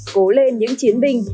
cố lên những chiến binh